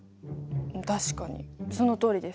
確かにそのとおりです。